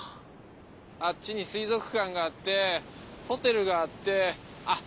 あっちに水族館があってホテルがあってあっ